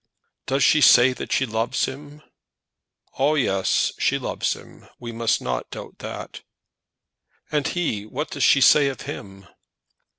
"Does she say that she loves him?" "Ah, yes; she loves him. We must not doubt that." "And he; what does she say of him?"